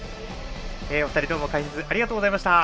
お二人、どうも解説ありがとうございました。